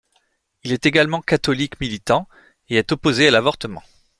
Il est également catholique militant et est opposé à l'avortement.